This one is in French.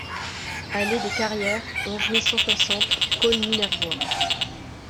Allée des Carrières, onze mille cent soixante Caunes-Minervois